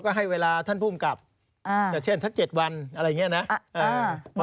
ก็ให้เวลาท่านภูมิกับอย่างเช่นสัก๗วันอะไรอย่างนี้นะ